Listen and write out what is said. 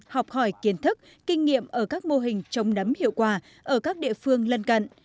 học hỏi kiến thức kinh nghiệm ở các mô hình trồng nấm hiệu quả ở các địa phương lân cận